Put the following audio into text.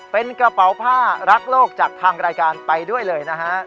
เป็นกระเป๋าผ้ารักโลกจากทางรายการไปด้วยเลยนะฮะ